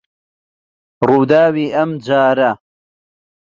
ڕووداوی ئەم جارە